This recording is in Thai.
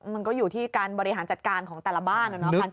มันก็อยู่ที่การบริหารจัดการของแต่ละบ้าน